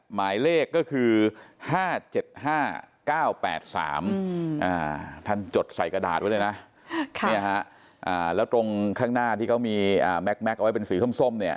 หมายเลขก็คือ๕๗๕๙๘๓ท่านจดใส่กระดาษไว้เลยนะแล้วตรงข้างหน้าที่เขามีแม็กซเอาไว้เป็นสีส้มเนี่ย